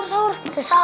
udah sahur dah